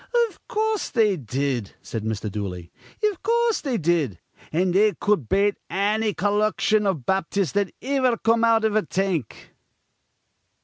"Iv coorse, they did," said Mr. Dooley. "Iv coorse, they did. An' they cud bate anny collection iv Baptists that iver come out iv a tank."